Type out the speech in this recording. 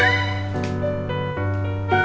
oke aku beli